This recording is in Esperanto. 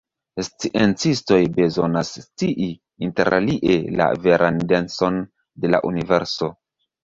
Sciencistoj bezonas scii, interalie, la veran denson de la universo.